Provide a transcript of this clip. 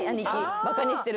バカにしてる。